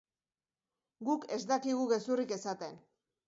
Guk ez dakigu gezurrik esaten.